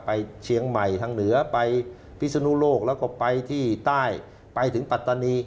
ไปเชียงใหม่ทางเหนือไปพิศนุโลกแล้วก็ไปที่ใต้ไปถึงปัตตานี